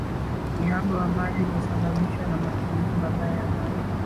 uhaba wa maji umesababishwa na matumizi mabaya ya maji